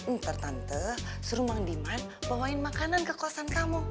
ntar tante suruh mang diman bawain makanan ke kosan kamu